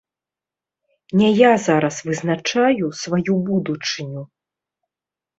Не я зараз вызначаю сваю будучыню.